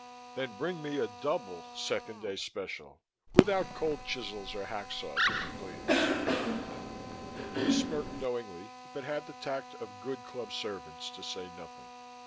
"Then bring me a double Second Day Special, without cold chisels or hacksaws, if you please," I ordered. He smirked knowingly but had the tact of good club servants to say nothing.